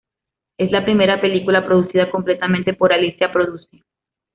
Es la primera película producida completamente por "Alicia Produce".